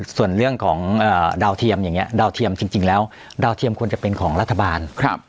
ส่วนเรื่องของดาวเทียมอย่างนี้ดาวเทียมจริงแล้วดาวเทียมควรจะเป็นของรัฐบาล